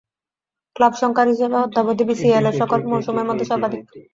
Club সংখ্যার হিসেবে অদ্যাবধি বিসিএল-এর সকল মৌসুমের মধ্যে সর্বাধিক।